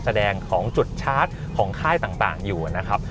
แสดงของจุดชาร์จของค่ายต่างอยู่นะครับ